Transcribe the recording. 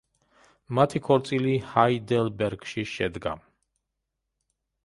მათი ქორწილი ჰაიდელბერგში შედგა.